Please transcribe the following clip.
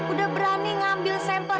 udah berani ngambil sampel